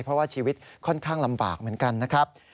เพราะว่าชีวิตค่อนข้างลำบากเหมือนกันนะครับ